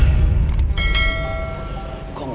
aku harus menolongnya